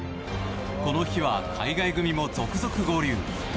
この日は海外組も続々合流。